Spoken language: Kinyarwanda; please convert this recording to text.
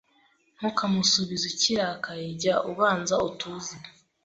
ntukamusubize ukirakaye, jya ubanza utuze